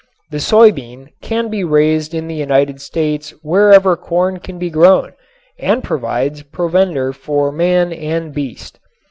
The soy bean can be raised in the United States wherever corn can be grown and provides provender for man and beast.